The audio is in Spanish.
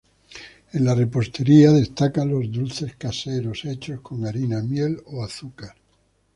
En la repostería destacan los dulces caseros hechos con harina, miel o azúcar.